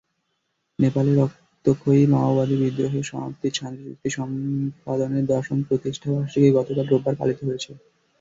নেপালে রক্তক্ষয়ী মাওবাদী বিদ্রোহের সমাপ্তির শান্তিচুক্তি সম্পাদনের দশম প্রতিষ্ঠাবার্ষিকী গতকাল রোববার পালিত হয়েছে।